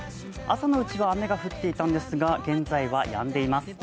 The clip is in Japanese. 朝のうちは雨が降っていたんですが、現在はやんでいます。